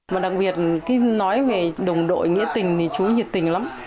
mà đặc biệt cứ nói về đồng đội nghĩa tình thì chú nhiệt tình lắm